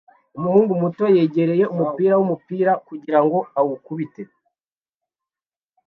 umuhungu muto yegera umupira wumupira kugirango awukubite